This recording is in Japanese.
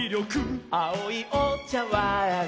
「あおいおちゃわん」